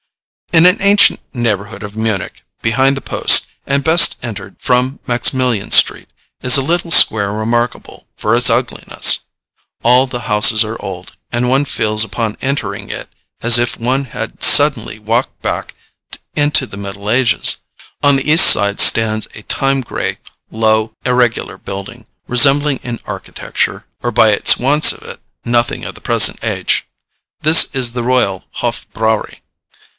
In an ancient neighborhood of Munich, behind the post, and best entered from Maximilian street, is a little square remarkable for its ugliness. All the houses are old, and one feels upon entering it as if one had suddenly walked back into the middle ages. On the east side stands a time gray, low, irregular building, resembling in architecture, or by its want of it, nothing of the present age. This is the royal Hof Brauerei.